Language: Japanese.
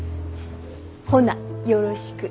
ほなよろしく。